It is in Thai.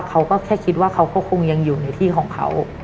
เขาก็แค่คิดว่าเขาก็คงยังอยู่ในที่ของเขา